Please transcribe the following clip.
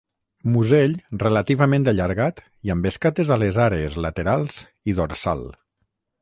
Musell relativament allargat i amb escates a les àrees laterals i dorsal.